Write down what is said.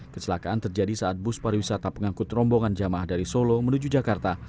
kecelakaan terjadi saat bus pariwisata pengangkut rombongan jamaah dari solo menuju jakarta